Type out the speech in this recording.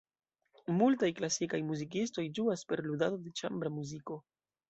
Multaj klasikaj muzikistoj ĝuas per ludado de ĉambra muziko.